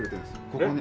ここに。